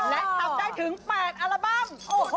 และทำได้ถึง๘อัลบั้ม